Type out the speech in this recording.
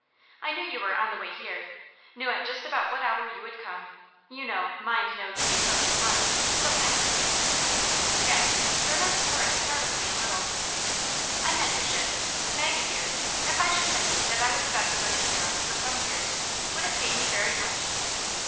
I knew you were on the way here, knew at just about what hour you would come ; you know 'mind knows the approach of mind,* sometimes, at least." " Yes. Your note to Horace startled me a little.'* " I meant it should. Maggie dear, if I should tell you that I was about to go to Europe for some years^ would it pain you very much